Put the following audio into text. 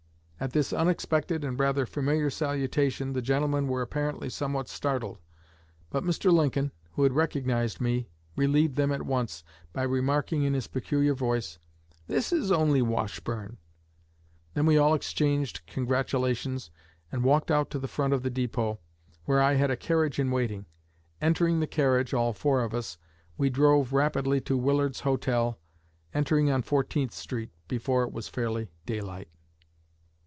At this unexpected and rather familiar salutation the gentlemen were apparently somewhat startled; but Mr. Lincoln, who had recognized me, relieved them at once by remarking in his peculiar voice: 'This is only Washburne!' Then we all exchanged congratulations, and walked out to the front of the depot, where I had a carriage in waiting. Entering the carriage (all four of us), we drove rapidly to Willard's Hotel, entering on Fourteenth Street, before it was fairly daylight."